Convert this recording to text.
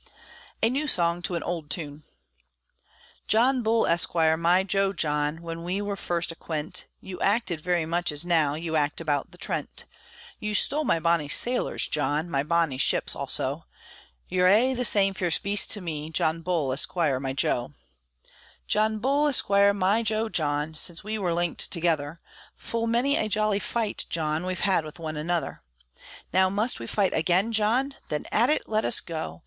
A NEW SONG TO AN OLD TUNE John Bull, Esquire, my jo John, When we were first acquent, You acted very much as now You act about the Trent. You stole my bonny sailors, John, My bonny ships also, You're aye the same fierce beast to me, John Bull, Esquire, my jo! John Bull, Esquire, my jo John, Since we were linked together, Full many a jolly fight, John, We've had with one another. Now must we fight again, John? Then at it let us go!